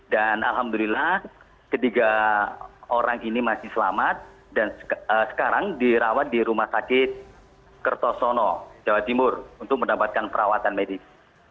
dan alhamdulillah ketiga orang ini masih selamat dan sekarang dirawat di rumah sakit kertosono jawa timur untuk mendapatkan perawatan medis